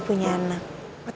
aku juga suka sama dia